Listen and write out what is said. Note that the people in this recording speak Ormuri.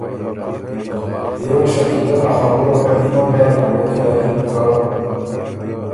بيې وه شکیلۀ ا خبُره په نیمه داک، غوېکه له یِن که